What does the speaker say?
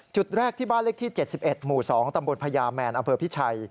จุดแรกที่บ้านเลขที่๗๑หมู่๒ตำบลพญาแมนอำเภอพิชัย